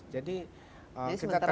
jadi kita terkendala